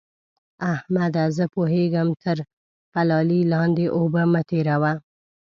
احمده! زه پوهېږم؛ تر پلالې لاندې اوبه مه تېروه.